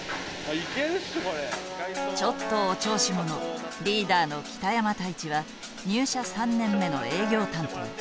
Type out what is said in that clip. ちょっとお調子者リーダーの北山太一は入社３年目の営業担当。